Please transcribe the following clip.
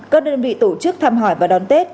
các đơn vị tổ chức thăm hỏi và đón tết